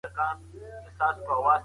کله چي زه ورغلم هغه لیکل کول.